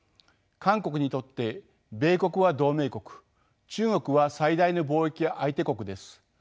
韓国にとって米国は同盟国中国は最大の貿易相手国です。